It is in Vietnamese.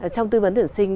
trong tư vấn tuyển sinh